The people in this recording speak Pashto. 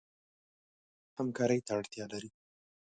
همکارۍ ته اړتیا لري.